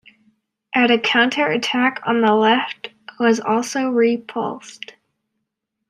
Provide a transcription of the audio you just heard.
At a counter-attack on the left was also repulsed.